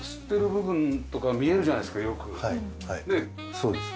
そうですね。